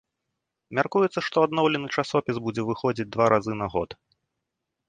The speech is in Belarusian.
Мяркуецца, што адноўлены часопіс будзе выходзіць два разы на год.